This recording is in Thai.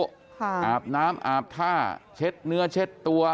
อาบน้ำอาบท่าเช็ดเนื้อเช็ดตัว